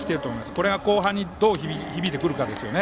これが後半にどう響いてくるかですね。